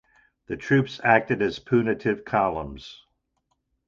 The troops acted as punitive columns.